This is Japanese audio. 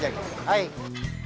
はい。